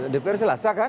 dpr selasa kan